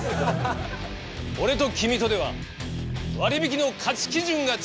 俺と君とでは割引の価値基準が違うようだ。